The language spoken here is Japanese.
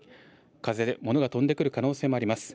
風でものが飛んでくる可能性もあります。